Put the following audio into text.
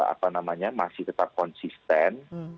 apa namanya masih tetap konsisten